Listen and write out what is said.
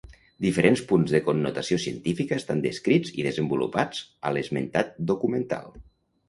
Diferents punts de connotació científica estan descrits i desenvolupats a l'esmentat documental.